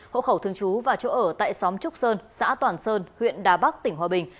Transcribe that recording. hỗ khẩu thương chú và chỗ ở tại xóm trúc sơn xã toàn sơn huyện đà bắc tỉnh hòa bình